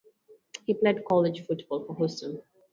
He played college football for Houston.